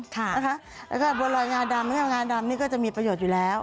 แล้วก็บัวลอยงาดำแล้วก็งาดำนี่ก็จะมีประโยชน์อยู่แล้ว